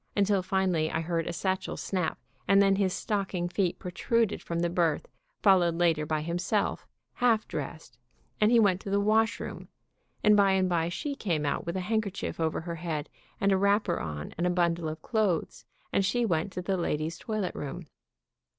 until finally I heard a satchel snap, and then his stocking feet protruded from the berth, fol lowed later by himself, half dressed, and he went to the wash room, and by and by she came out with a handkerchief over her head and a wrapper on, and a bundle of clothes, and she went to the ladies' toilet 196 TERRIBLE ENCOUNTER AGAINST A BISCUIT room.